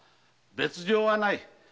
別状はない。